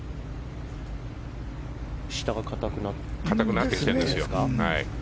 下が硬くなってきてるんですか。